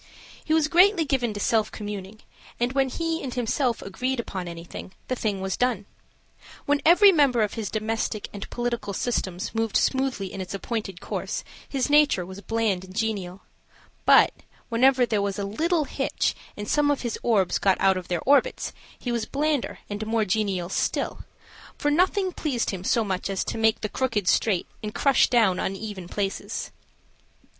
He was greatly given to self communing, and, when he and himself agreed upon anything, the thing was done. When every member of his domestic and political systems moved smoothly in its appointed course, his nature was bland and genial; but, whenever there was a little hitch, and some of his orbs got out of their orbits, he was blander and more genial still, for nothing pleased him so much as to make the crooked straight and crush down uneven places.